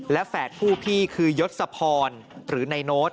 และแฝดผู้พี่คือยศพรหรือนายโน้ต